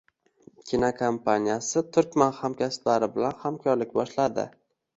Kinokompaniyasi turkman hamkasblari bilan hamkorlik boshladi